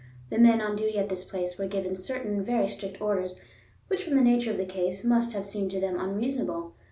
The men on duty at this place were given certain very strict orders, which from the nature of the case, must have seemed to them unreasonable.